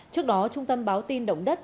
trước đó trung tâm báo tin động đất